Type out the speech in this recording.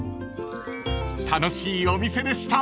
［楽しいお店でした］